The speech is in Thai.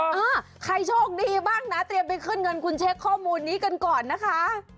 เออใครโชคดีบ้างนะเตรียมไปขึ้นเงินคุณเช็คข้อมูลนี้กันก่อนนะคะ